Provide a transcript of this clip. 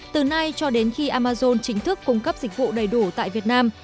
từ nay cho đến khi amazon chính thức cung cấp dịch vụ đầy đủ tại việt nam